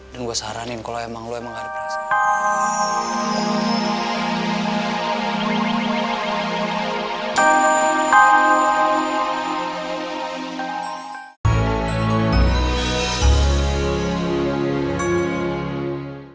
dan gue saranin kalau emang lo emang gak ada perasaan